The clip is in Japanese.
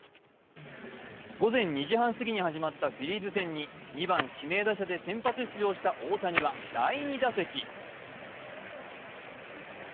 午前２時半すぎに始まったフィリーズ戦に２番・指名打者で先発出場した大谷は第２打席。